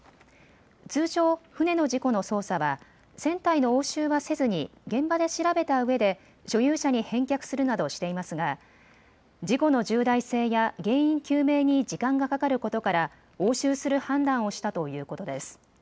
通常、船の事故の捜査は船体の押収はせずに現場で調べたうえで所有者に返却するなどしていますが事故の重大性や原因究明に時間がかかることから押収する判断をしたということです。